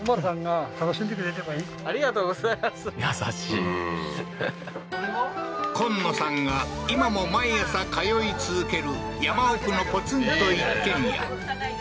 優しいうん昆野さんが今も毎朝通い続ける山奥のポツンと一軒家